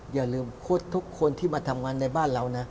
อย่าลืมโค้ดทุกคนที่มาทำงานในบ้านเรานะ